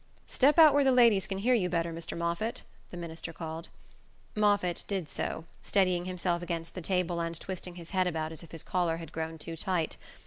"Step out where the ladies can hear you better, Mr. Moffatt!" the minister called. Moffatt did so, steadying himself against the table and twisting his head about as if his collar had grown too tight.